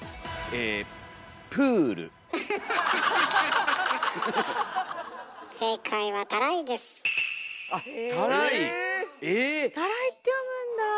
え⁉「たらい」って読むんだ。